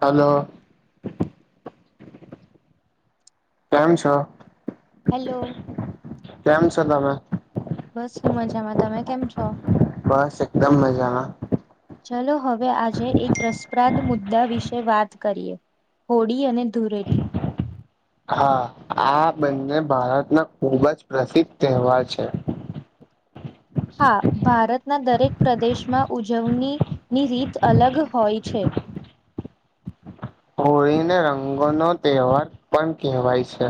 Hello. કેમ છો? Hello. કેમ છો તમે? બસ હુ મજામાં તમે કેમ છો? બસ એકદમ મજાના. ચલો હવે આજે એક રસપ્રાદ મુદ્દા વિશે વાત કરીએ. હોળી અને ધુળેટી. હા આ બંને ભારતના ખુબ જ પ્રસિદ્ધ તહેવાર છે. હા ભારતના દરેક પ્રદેશમાં ઉજવણી ની રીત અલગ હોય છે. હોળીને રંગો નો તહેવાર પણ કેહેવાય છે.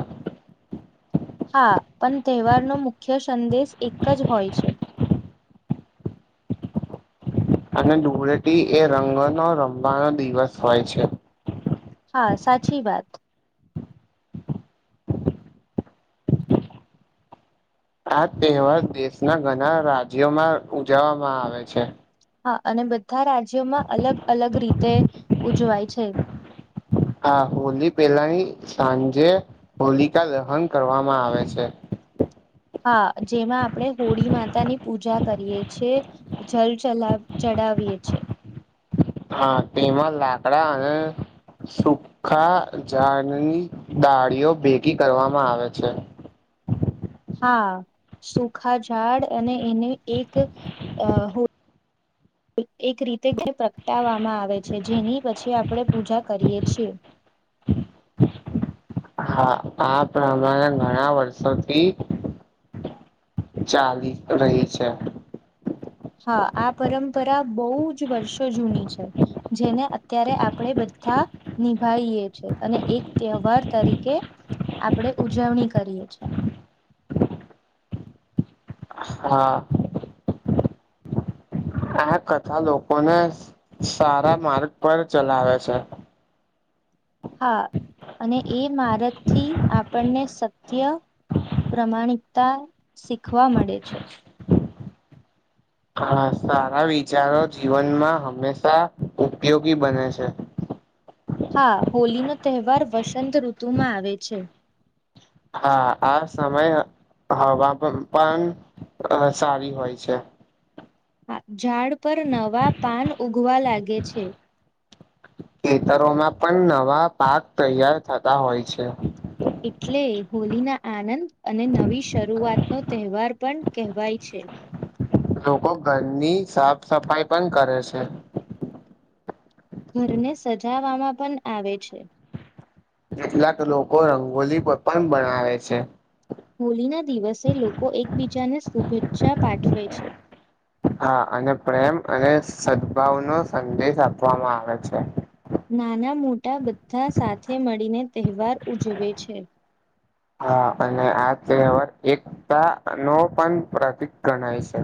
હા! પણ તહેવારનો મુખ્ય સંદેશ એક જ હોય છે. અને ધૂળેટી એ રંગનો રમવાનો દિવસ હોય છે. હા સાચી વાત. આ તહેવાર દેશના ઘણા રાજ્યોમાં ઉજવવામાં આવે છે. હા અને બધા રાજ્યોમાં અલગ અલગ રીતે, ઉજવાય છે. હા! હોલી પેલાની સાંજે હોલિકા દહન કરવામાં આવે છે. હા! જેમાં આપણે હોળી માતાની પૂજા કરીએ છેએ. જલ ચલ ચડાવીએ છે. હા તેમાં લાકડા અને સુખા ઝાડની દાળીઓ ભેગી કરવામાં આવે છે. હા સુખા ઝાડ અને, એને એક [inaudible] એક રીતે જે પ્રગટાવવામાં આવે છે. જેની પછી આપણેે પૂજા કરીએ છીએ. હા આ પ્રમારા ઘણા વર્ષોથી ચાલી રહી છે. હા આ પરંપરા બહુ જ વર્ષો જૂની છે. જેને અત્યારે આપણેે બધા નિભાઈએ છે, અને એક તહેવાર તરીકે આપડે ઉજવણી કરીએ છીએ. હા. આ કથા લોકોને સારા માર્ગ પર ચલાવે છે. હા! અને એ મારત થી આપણને સત્ય પ્રમાણિકતા શીખવા મળે છે. હા! સારા વિચારો જીવનમાં હંમેશા ઉપયોગી બને છે. હા! હોલી નો તહેવાર વસંત ઋતુ માં આવે છે. હા આ સમય હવા પણ સારી હોય છે. ઝાડ પર નવા પાન ઉગવા લાગે છે. ખેતરોમાં પણ નવા પાક તૈયાર થતા હોય છે. એટલે હોલી ના આનંદ અને નવી શરૂઆત નો તહેવાર પણ કહેવાય છે. લોકો ઘરની સાફ સફાઈ પણ કરે છે. ઘરને સજાવામાં પણ આવે છે. કેટલાક લોકો રંગોલી પણ બનાવે છે. હોળ ના દિવસે લોકો એકબીજાને શુભેચ્છા પાઠવે છે. હા અને પ્રેમ અને સદભાવ નો સંદેશ આપવામાં આવે છે. નાના મોટા બધા સાથે મળીને તહેવાર ઉજવે છે. હા અને આ તહેવાર એકતા નો પણ પ્રતિક ગણાય છે.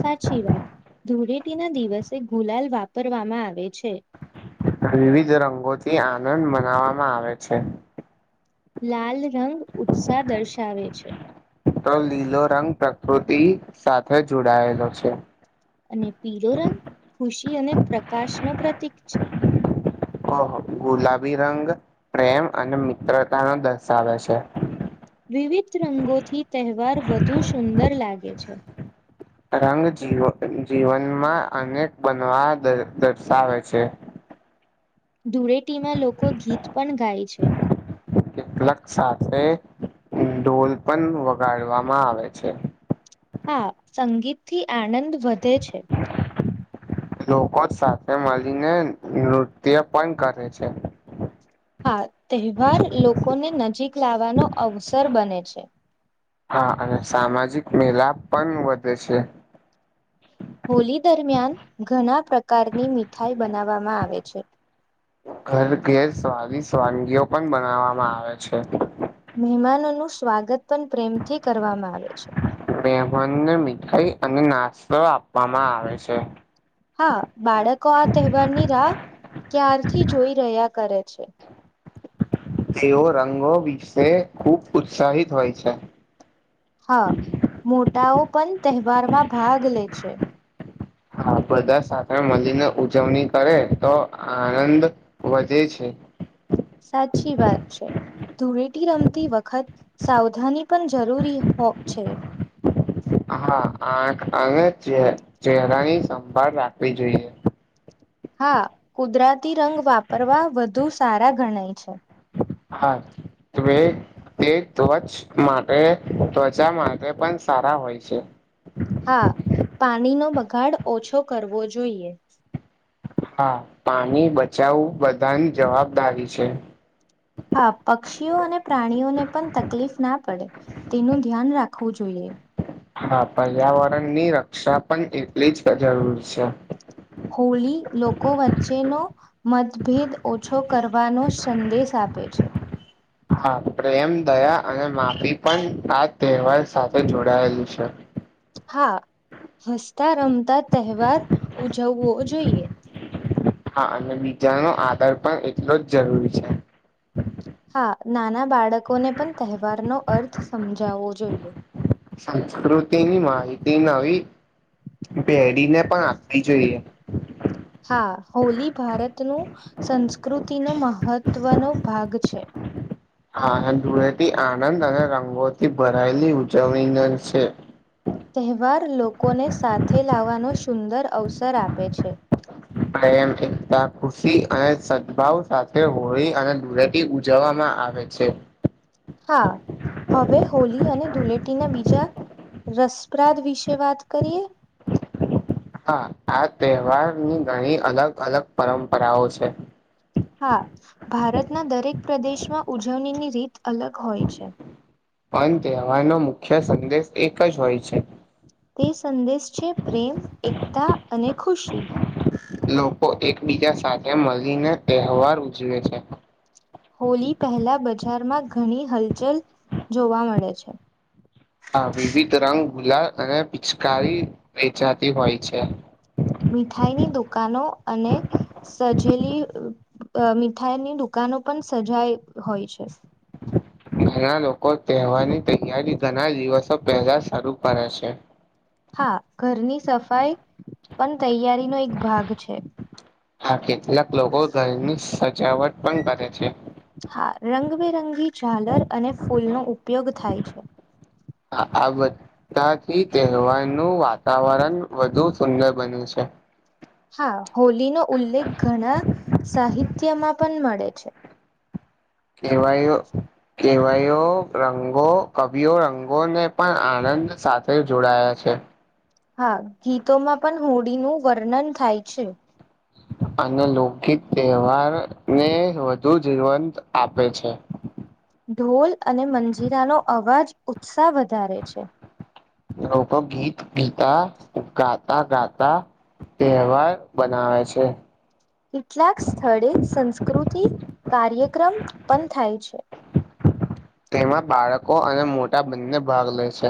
સાચી વાત, ધૂળેટી ના દિવસે ગુલાલ વાપરવામાં આવે છે. વિવિધ રંગોથી આનંદ મનાવામાં આવે છે. લાલ રંગ ઉત્સાહ દર્શાવે છે. તો લીલો રંગ પ્રકૃતિ સાથે જોડાયેલો છે. અને પીલો રંગ ખુશી અને પ્રકાશ નો પ્રતીક છે. ઓહ ગુલાબી રંગ પ્રેમ અને મિત્રતા નો દર્શાવે છે. વિવિધ રંગોથી તહેવાર વધુ સુંદર લાગે છે. રંગ જીવ જીવનમાં અનેક બનવા દર્શાવે છે. ધૂળેટીમાં લોકો ગીત પણ ગાય છે. કેટલાક સાથે ઢોલ પણ વગાડવામાં આવે છે. હા સંગીત થી આનંદ વધે છે. લોકો જ સાથે મળીને નૃત્ય પણ કરે છે. હા તહેવાર લોકોને નજીક લાવવાનો અવસર બને છે. હા અને સામાજિક મેલાપ પન વધે છે. હોલી દરમિયાન ઘણા પ્રકારની મીઠાઈ બનાવવામાં આવે છે. ઘર ઘેર સ્વાદીસ વાનગીઓ પણ બનાવવામાં આવે છે. મહેમાનોનું સ્વાગત પણ પ્રેમથી કરવામાં આવે છે. મેહમાનને મીઠાઈ અને નાસ્તો આપવામાં આવે છે. હા બાળકો આ તહેવારની રાહ ક્યારથી જોઈ રહ્યા કરે છે. તેઓ રંગો વિશે ખુબ ઉત્સાહિત હોય છે. હા મોટાઓ પણ તહેવારમાં ભાગ લે છે. હા બધા સાથે મલીને ઉજવણી કરે તો આનંદ વધે છે. સાચી વાત છે. ધૂળેટી રમતી વખત સાવધાની પણ જરૂરી હો છે. હા આખ અને ચે ચેહરાની સંભાળ રાખવી જોઈએ. હા કુદરતી રંગ વાપરવા વધુ સારા ગણાય છે. હા. તવે તે ધ્વચ માટે ત્વચા માટે પણ સારા હોય છે. હા પાણીનો બગાડ ઓછો કરવો જોઈએ. હા પાણી બચાવું બધાની જવાબદારી છે. હા પક્ષીઓ અને પ્રાણીઓને પણ તકલીફના પડે તેનું ધ્યાન રાખવું જોઈએ. હા પર્યાવરણની રક્ષા પન એટલી જ જરૂર છે. હોલી લોકો વચ્ચેનો મતભેદ ઓછો કરવાનો સંદેશ આપે છે. હા પ્રેમ, દયા અને માપી પણ આ તહેવાર સાથે જોડાયેલ છે. હા હસતા રમતા તહેવાર ઉજવવો જોઈએ. હા અને બીજાનો આધાર પણ એટલો જ જરૂરી છે. હા નાના બાળકોને પણ તહેવારનો અર્થ સમજાવવો જોઈએ. સંસ્કૃતિની માહિતી નવી પેઢને પણ આપવી જોઈએ. હા હોલી ભારતનું સંસ્કૃતિનો મહત્વનો ભાગ છે. હા ધૂળેથી આનંદ અને રંગોથી ભરાયેલી ઉજવણી [unintelligible] છે. તહેવાર લોકોને સાથે લાવાનો સુંદર અવસર આપે છે. પ્રેમ, એકતા, ખુશી અને સદભાવ સાથે હોય અને દૂળે એ ગુજાવામાં આવે છે. હા હવે હોલી અને ધુલેટીના બીજા રસપ્રાદ વિશે વાત કરીએ હા આ તહેવારની ઘણી અલગ અલગ પરંપરાઓ છે. હા ભારતના દરેક પ્રદેશમાં ઉજવણીની રીત અલગ હોય છે. પન તહેવારનો મુખ્ય સંદેશ એક જ હોય છે. તે સંદેશ છે, પ્રેમ, એકતા અને ખુશી લોકો એકબીજા સાથે મલીને તહેવાર ઉજવે છે. હોલી પહેલા બજારમાં ઘણી હલચલ જોવા મલે છે. હા વિવિધ રંગ, ગુલાલ અને પિચકારી વેચાતી હોય છે. મીઠાઈની દુકાનો અને સજેલી અ મીઠાઈની દુકાનો પન સજાય હોય છે. ઘણા લોકો તહેવારની તૈયારી ઘણા દિવસો પહેલા શરૂ કરે છે. હા ઘરની સફાઈ પણ તૈયારી હા કેટલાક લોકો ઘરની સજાવટ પણ કરે છે. હા રંગબેરંગી ઝાલર અને ફૂલનો ઉપયોગ થાય છે. હા આ બ ધાથી તહેવારનું વાતાવરણ વધુ સુંદર બન્યું છે. હા હોલીનો ઉલ્લેખ ઘણા સાહિત્યમાં પણ મળે છે. કેવાયરો? કેવાયયો રંગો, કવિઓ રંગોને પણ આનંદ સાથે જોડાયા છે. હા ગીતોમાં પણ હોળીનું વર્ણન થાય છે. અને લોકગીત તહેવાર ને વધુ જીવંત આપે છે. ઢોલ અને મંજીરાનો અવાજ ઉત્સાહ વધારે છે. લોકો ગીત ગીતા ગાતા ગાતા તહેવાર બનાવે છે. કેટલાક સ્થળે સંસ્કૃતિ કાર્યક્રમ ઉત્પન થાય છે. તેમાં બાળકો અને મોટા બંને ભાગ લે છે.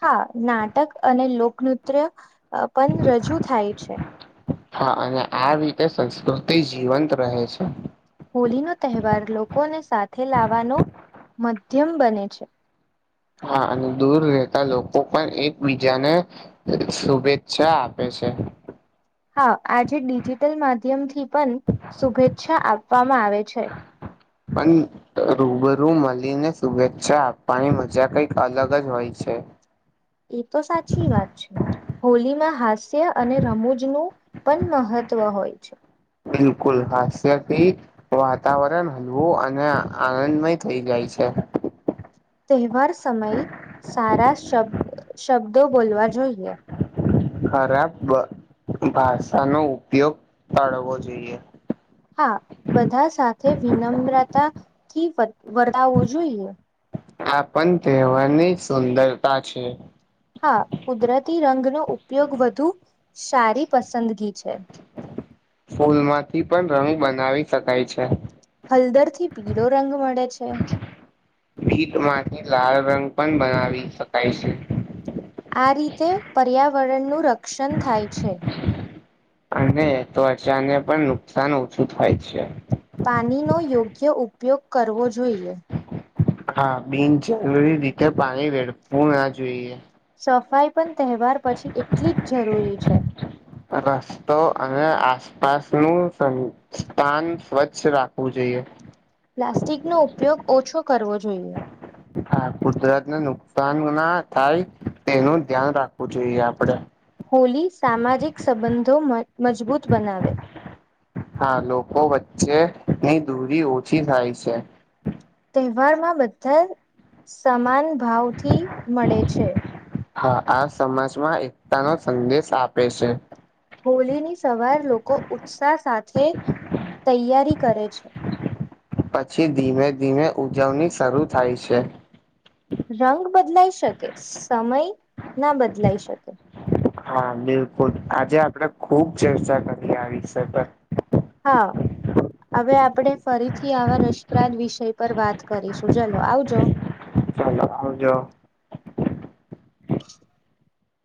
હા નાટક અને લોકનૃત્ય પણ રજૂ થાય છે. હા અને આ રીતે સંસ્કૃતિ જીવંત રહે છે. હોળનો તહેવાર લોકોને સાથે લાવવાનો મધ્યમ બને છે. હા અને દૂર રહેતા લોકો પણ એકબીજાને શુભેચ્છા આપે છે. હા આજે ડિજિટલ માધ્યમ થી પણ શુભેચ્છા આપવામાં આવે છે. પણ રૂબરૂ મળીને શુભેચ્છા આપવાની મજા કઈક અલગ જ હોય છે. એ તો સાચી વાત છે. હોલીમાં હાસ્ય અને રમૂજનું પણ મહત્વ હોય છે. બિલકુલ હાસ્યથી વાતાવરણ હલવું અને આનંદમય થઈ જાય છે. તહેવાર સમયે સારા શબ શબ્દો બોલવા જોઈએ. ખરાબ ભાષાનો ઉપયોગ કરવો જોઈએ. હા બધા સાથે વિનમ્રતાથી વતાવવો જોઈએ. આ પણ તહેવારની સુંદરતા છે. હા કુદરતી રંગનોો ઉપયોગ વધુ સારી પસંદગી છે. ફૂલમાંથી પણ રંગ બનાવી શકાય છે. હલદર થી પીળો રંગ મળે છે. ભીતમાંથી લાળ રંગ પણ બનાવી શકાય છે. આ રીતે પર્યાવરણનું રક્ષણ થાય છે. અને ત્વચા પણ નુકસાન ઓછું થાય છે. પાણીનો યોગ્ય ઉપયોગ કરવો જોઈએ. હા બિન જરૂરી રીતે પાણી વેળફુ ના જોઈએ. સફાઈ પણ તહેવાર પછી એટલી જ જરૂરી છે. બસ તો અ આ પાસનું સ્થાન સ્વચ્છ રાખવું જોઈએ. પ્લાસ્ટિકનો ઉપયોગ ઓછો કરવો જોઈએ. હા કુદરતને નુકસાન ના થાય. તેનું ધ્યાન રાખવું જોઈએ આપડે. હોલી સામાજિક સંબંધો મજબૂત બનાવે. હા લોકો વચ્ચે ની દૂરી ઓછી થાય છે. તહેવારમાં બધા સમાન ભાવથી મળે છે. હા આ સમાજમાં એકતા નો સંદેશ આપે છે. હોલી ની સવાર લોકો ઉત્સાહ સાથે તૈયારી કરે છે. પછી ધીમે ધીમે ઉજવણી શરૂ થાય છે. રંગ બદલાઈ શકે સમય ના બદલાઈ શકે. હા બિલકુલ આજે આપડે ખુબ ચર્ચા કરીએ આ વિષય પર હા! હવે આપણે ફરીથી આવા રસપ્રાદ વિષય પર વાત કરીશું ચલો આવજો. ચલો આવજો.